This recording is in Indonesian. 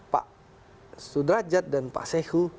pak sudrajat dan pak sehu